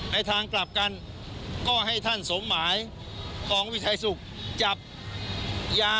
ในทางกลับกันก็ให้ท่านสมหมายของวิทยาศุกร์